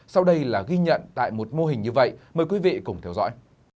sau đây là ghi nhận tại một mô hình như vậy mời quý vị cùng theo dõi